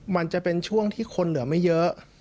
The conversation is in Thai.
มันจะเป็นช่วงที่คนเหลือไม่เยอะ